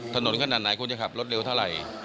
ถนนขนาดไหนคุณจะขับรถเร็วเท่าไหร่